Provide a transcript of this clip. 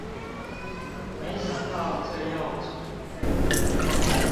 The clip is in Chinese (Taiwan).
沒想到這藥局